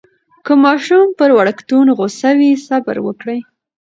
که ماشوم پر وړکتون غوصه وي، صبر وکړئ.